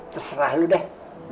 terserah lo deh